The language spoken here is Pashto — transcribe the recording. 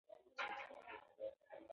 نوموړی سپور زیات مقاومت لري.